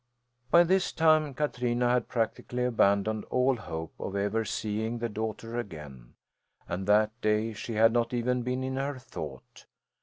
By this time Katrina had practically abandoned all hope of ever seeing the daughter again, and that day she had not even been in her thought.